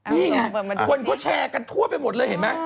นี่ไงคนก็แชร์กันทั่วไปหมดเลยเห็นไหม